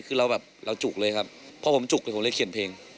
คือเราแบบเราจุกเลยครับเพราะผมจุกเลยผมเลยเขียนเพลง